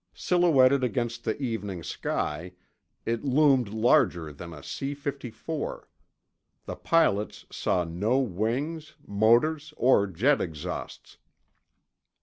Silhouetted against the evening sky, it loomed larger than a C 54. The pilots saw no wings, motors, or jet exhausts.